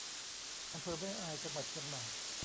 อำเภอแม่อาย จังหวัดเชียงใหม่